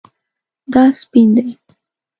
دا سپین دی